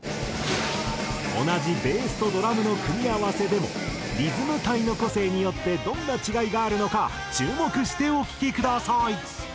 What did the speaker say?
同じベースとドラムの組み合わせでもリズム隊の個性によってどんな違いがあるのか注目してお聴きください。